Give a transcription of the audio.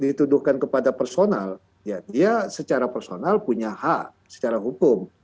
dituduhkan kepada personal ya dia secara personal punya hak secara hukum